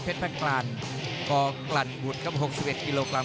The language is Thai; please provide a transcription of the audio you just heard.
เพชรประการโกกลันบุทธกับ๖๑กิโลกรัม